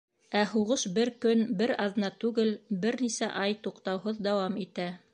Ә һуғыш бер көн, бер аҙна түгел, бер нисә ай туҡтауһыҙ дауам итә.